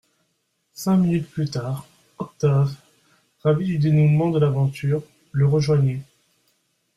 Cinq minutes plus tard, Octave, ravi du dénouement de l'aventure, le rejoignait.